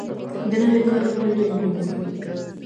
د نوي کال پیل یې لمانځه